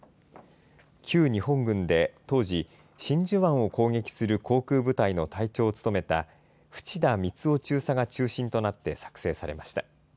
旧日本軍で当時、真珠湾を攻撃する航空部隊の隊長を務めた淵田美津雄中佐が中心となって作成されました。